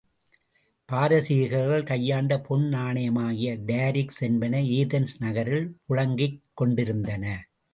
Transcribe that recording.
பாரசீகர்கள் கையாண்ட பொன் நாணயமாகிய டாரிக்ஸ் என்பன ஏதென்ஸ் நகரில் புழங் கிக் கொண்டிருந்தன.